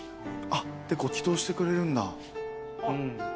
でご祈祷してくれるんだ。